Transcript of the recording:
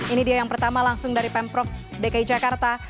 ini dia yang pertama langsung dari pemprov dki jakarta